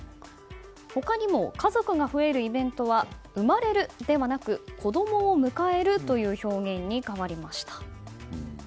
他にも家族が増えるイベントは生まれるではなく子供を迎えるという表現に変わりました。